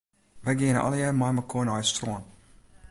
Wy geane allegear meimekoar nei it strân.